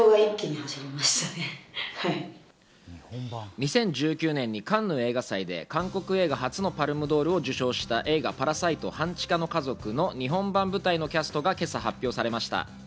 ２０１９年にカンヌ映画祭で韓国映画初のパルムドールを受賞した映画『パラサイト半地下の家族』の日本版舞台のキャストが今朝発表されました。